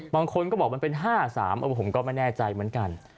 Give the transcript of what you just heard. บางคนก็บอกมันเป็น๕๓ผมก็ไม่แน่ใจเหมือนกัน